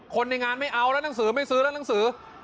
คนในงานไม่เอาแล้วหนังสือไม่ซื้อแล้วหนังสือ